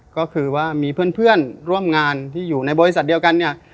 ก็คือว่ามีเพื่อนร่วมงานที่อยู่ในบริษัทเดียวกันเนี่ย